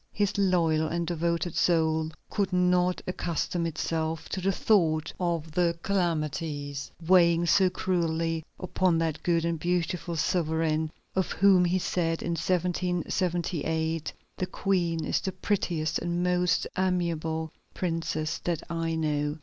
His loyal and devoted soul could not accustom itself to the thought of the calamities weighing so cruelly upon that good and beautiful sovereign of whom he said in 1778: "The Queen is the prettiest and most amiable princess that I know."